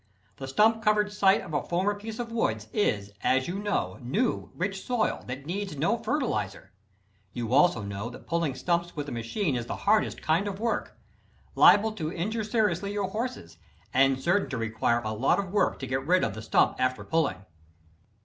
The stump covered site of a former piece of woods, is, as you know, new, rich soil that needs no fertilizer. You also know that pulling stumps with a machine is the hardest kind of work liable to injure seriously your horses, and certain to require a lot of work to get rid of the stump after pulling.